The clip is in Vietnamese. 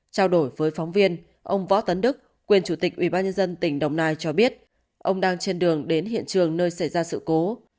trao đổi với phóng viên ông võ tấn đức quyền chủ tịch ủy ban nhân dân tỉnh đồng nai cho biết ông đang trên đường đến hiện trường nơi xảy ra sự cố